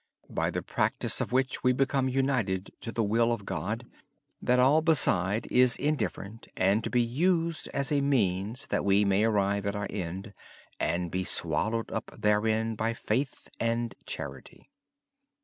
In the practice of these we become united to the will of God. Everything else is indifferent and to be used as a means that we may arrive at our end and then be swallowed up by faith and charity.